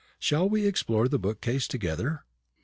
Shall we explore the bookcase together?"